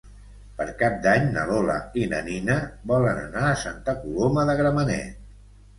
Per Cap d'Any na Lola i na Nina volen anar a Santa Coloma de Gramenet.